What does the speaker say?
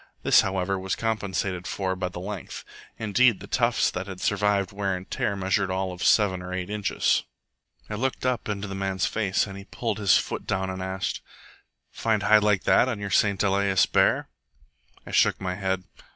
This, however, was compensated for by the length. Indeed, the tufts that had survived wear and tear measured all of seven or eight inches. I looked up into the man's face, and he pulled his foot down and asked, "Find hide like that on your St Elias bear?" I shook my head.